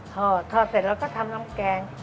ทอดเสร็จแล้วก็ทำน้ำแกง